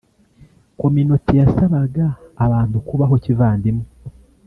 kominote yasabaga abantu kubaho kivandimwe